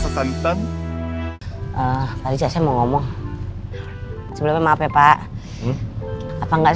saya sasatan pak rizal mau ngomong sebelumnya maaf ya pak apa enggak